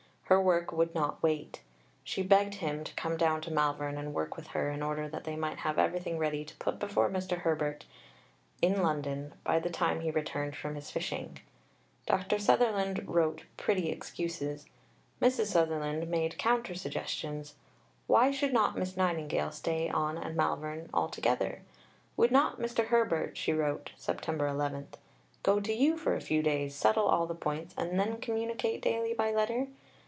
Her work would not wait. She begged him to come down to Malvern and work with her in order that they might have everything ready to put before Mr. Herbert in London by the time he returned from his fishing. Dr. Sutherland wrote pretty excuses. Mrs. Sutherland made counter suggestions. Why should not Miss Nightingale stay on at Malvern altogether? "Would not Mr. Herbert," she wrote (Sept. 11), "go to you for a few days, settle all the points, and then communicate daily by letter?